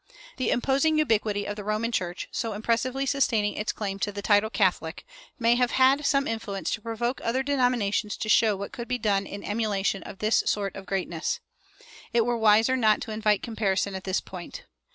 The imposing ubiquity of the Roman Church, so impressively sustaining its claim to the title Catholic, may have had some influence to provoke other denominations to show what could be done in emulation of this sort of greatness. It were wiser not to invite comparison at this point.